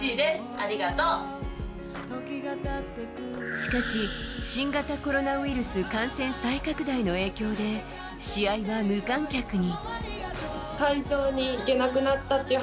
しかし、新型コロナウイルス感染再拡大の影響で試合は無観客に。